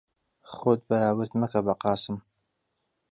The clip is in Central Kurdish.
خۆت بەراورد مەکە بە قاسم.